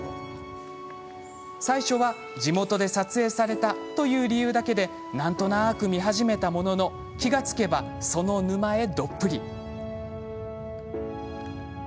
最初は、地元で撮影されたという理由だけで何となく見始めたものの気が付けば、その沼へ！